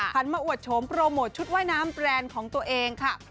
มาอวดโฉมโปรโมทชุดว่ายน้ำแบรนด์ของตัวเองค่ะ